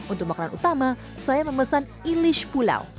untuk makanan utama saya memesan ilish pulau